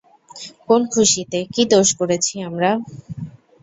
কোন খুশিতে, কি দোষ করেছি আমরা?